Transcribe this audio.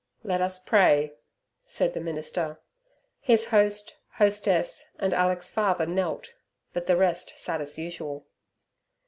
"Let us pray," said the minister. His host, hostess, and Alick's father knelt, but the rest sat as usual.